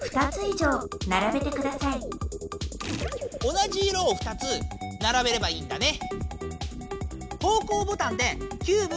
同じ色を２つならべればいいんだね。